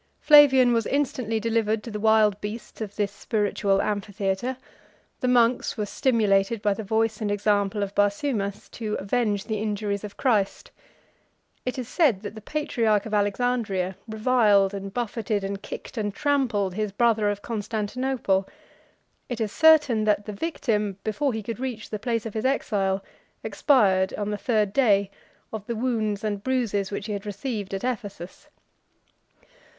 Flavian was instantly delivered to the wild beasts of this spiritual amphitheatre: the monks were stimulated by the voice and example of Barsumas to avenge the injuries of Christ: it is said that the patriarch of Alexandria reviled, and buffeted, and kicked, and trampled his brother of Constantinople: 61 it is certain, that the victim, before he could reach the place of his exile, expired on the third day of the wounds and bruises which he had received at Ephesus.